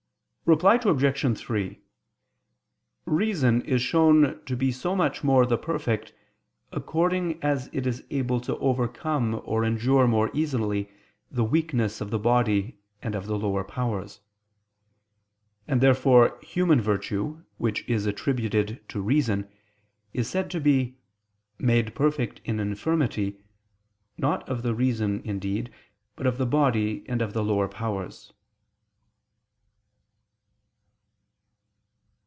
Reply Obj. 3: Reason is shown to be so much the more perfect, according as it is able to overcome or endure more easily the weakness of the body and of the lower powers. And therefore human virtue, which is attributed to reason, is said to be "made perfect in infirmity," not of the reason indeed, but of the body and of the lower powers.